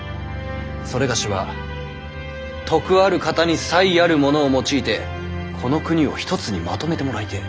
某は徳ある方に才ある者を用いてこの国を一つにまとめてもらいてぇ。